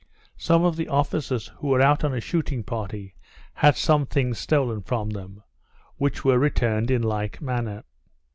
Some of the officers, who were out on a shooting party, had some things stolen from them, which were returned in like manner.